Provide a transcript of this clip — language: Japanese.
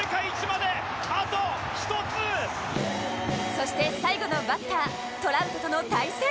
そして最後のバッタートラウトとの対戦。